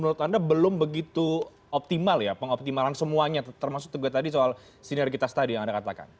menurut anda belum begitu optimal ya pengoptimalan semuanya termasuk juga tadi soal sinergitas tadi yang anda katakan